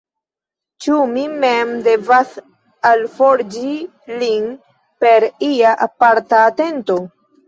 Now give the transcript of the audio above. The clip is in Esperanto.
Ĉu mi mem devas alforĝi lin per ia aparta atento?